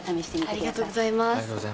ありがとうございます。